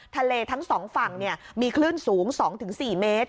ทะเลทั้งสองฝั่งมีคลื่นสูง๒๔เมตร